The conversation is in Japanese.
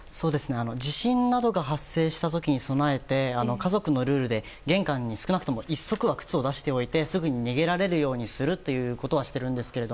地震などが発生した時に備えて家族のルールで玄関に少なくとも１足は靴を出しておいてすぐに逃げられるようにするということはしているんですが。